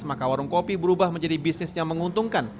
maka warung kopi berubah menjadi bisnis yang menguntungkan